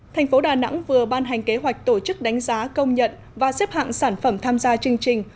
thành phố đà nẵng vừa ban hành kế hoạch tổ chức đánh giá công nhận và xếp hạng sản phẩm tham gia chương trình